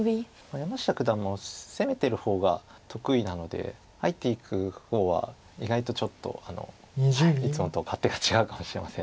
山下九段も攻めてる方が得意なので入っていく方は意外とちょっといつもと勝手が違うかもしれません。